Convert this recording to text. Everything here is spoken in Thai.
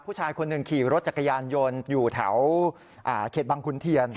ผู้ชายคนหนึ่งขี่รถจักรยานยนต์อยู่แถวเขตบังขุนเทียน